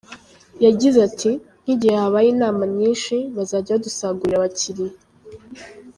Yagize ati ‘‘Nk’igihe habaye inama nyinshi, bazajya badusagurira abakiliya.